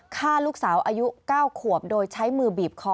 ฆ่าลูกสาวอายุ๙ขวบโดยใช้มือบีบคอ